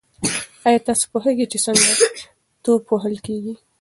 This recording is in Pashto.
ایا تاسي پوهېږئ چې څنګه توپ وهل کیږي؟